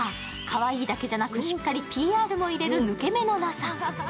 かわいいだけじゃなくしっかりＰＲも入れる抜け目のなさ。